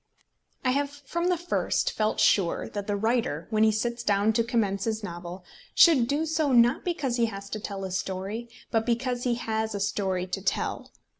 I have from the first felt sure that the writer, when he sits down to commence his novel, should do so, not because he has to tell a story, but because he has a story to tell.